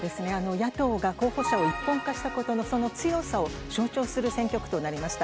野党が候補者を一本化したことのその強さを象徴する選挙区となりました。